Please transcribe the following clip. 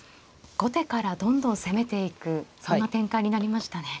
後手からどんどん攻めていくそんな展開になりましたね。